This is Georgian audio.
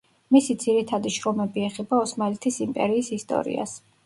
მისი ძირითადი შრომები ეხება ოსმალეთის იმპერიის ისტორიას.